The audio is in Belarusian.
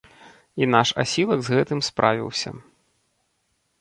І наш асілак з гэтым справіўся.